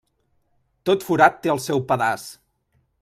Tot forat té el seu pedaç.